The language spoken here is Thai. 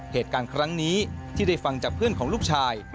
เหตุการณ์ครั้งนี้ที่ได้ฟังจากเพื่อนของลูกชาย